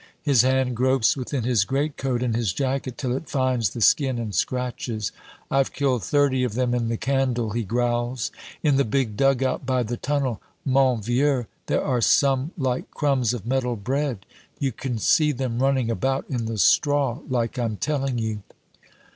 His hand gropes within his greatcoat and his jacket till it finds the skin, and scratches. "I've killed thirty of them in the candle," he growls; "in the big dug out by the tunnel, mon vieux, there are some like crumbs of metal bread. You can see them running about in the straw like I'm telling you."